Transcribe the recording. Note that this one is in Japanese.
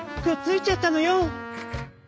「くっついちゃったのよ！」。